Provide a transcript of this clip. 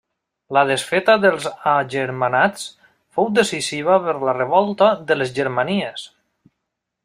La desfeta dels agermanats fou decisiva per la Revolta de les Germanies.